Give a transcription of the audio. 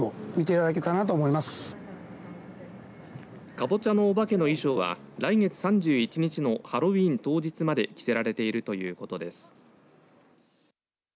かぼちゃのお化けの衣装は来月３１日のハロウィーン当日まで着せられているということです。